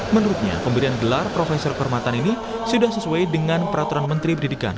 menurutnya pemberian gelar profesor kehormatan ini sudah sesuai dengan peraturan menteri pendidikan